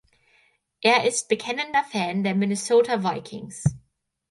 Er ist bekennender Fan der Minnesota Vikings.